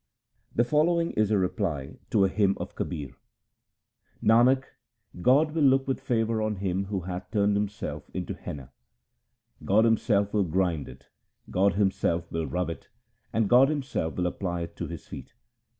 The following is a reply to a hymn of Kabir :— Nanak, God will look with favour on him who hath turned himself into henna : God Himself will grind it, God Himself will rub it, and God Himself will apply it to His feet.